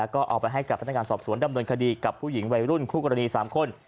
ก็เอาไปให้กับพนักงานสอบสวนดำเนินคดีกับผู้หญิงวัยรุ่นคู่กรณี๓คน